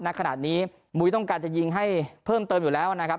ณขนาดนี้มุ้ยต้องการจะยิงให้เพิ่มเติมอยู่แล้วนะครับ